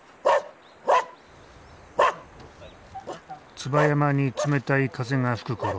椿山に冷たい風が吹くころ